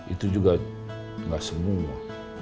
itu juga nggak semua